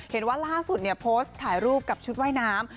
เห็นว่าล่าสุดเนี่ยโพสต์ถ่ายรูปกับชุดว่ายน้ำ